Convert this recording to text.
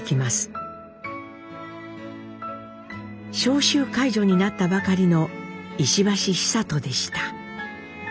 召集解除になったばかりの石橋久渡でした。